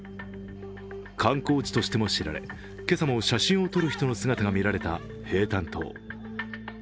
観光地としても知られ今朝も写真を撮る人の姿が見られた平潭島。